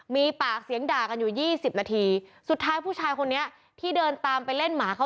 มีปากเสียงด่ากันอยู่ยี่สิบนาทีสุดท้ายผู้ชายคนนี้ที่เดินตามไปเล่นหมาเขา